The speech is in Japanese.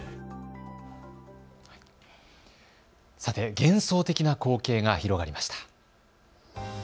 幻想的な光景が広がりました。